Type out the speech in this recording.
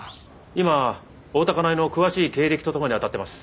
今大多香苗の詳しい経歴と共にあたってます。